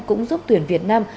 cũng giúp tuyển việt nam